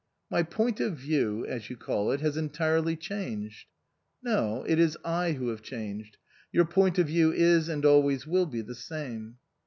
" My point of view, as you call it, has entirely changed." " No. It is I who have changed. Your point of view is, and always will be the same."